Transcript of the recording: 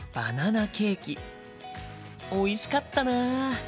おいしかったな。